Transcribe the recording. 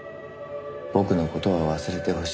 「僕のことは忘れてほしい」